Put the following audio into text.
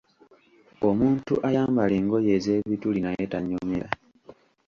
Omuntu ayambala engoye ez’ebituli naye tannyumira.